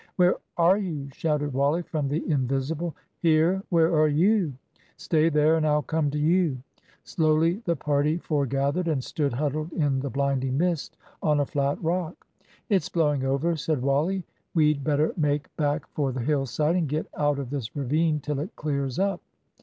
"Where are you?" shouted Wally from the invisible. "Here; where are you?" "Stay there; and I'll come to you." Slowly the party foregathered, and stood huddled in the blinding mist on a flat rock. "It's blowing over," said Wally. "We'd better make back for the hill side, and get out of this ravine till it clears up."